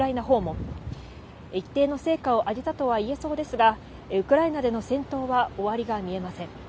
一定の成果を上げたとは言えそうですが、ウクライナでの戦闘は終わりが見えません。